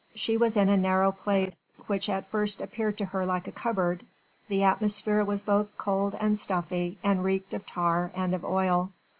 She was in a narrow place, which at first appeared to her like a cupboard: the atmosphere was both cold and stuffy and reeked of tar and of oil.